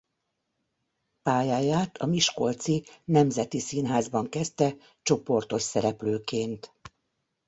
Pályáját a Miskolci Nemzeti Színházban kezdte csoportos szereplőként.